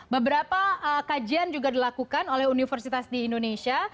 beberapa kajian juga dilakukan oleh universitas di indonesia